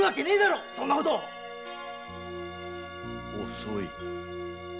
遅い。